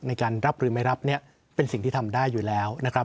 ในการรับหรือไม่รับเนี่ยเป็นสิ่งที่ทำได้อยู่แล้วนะครับ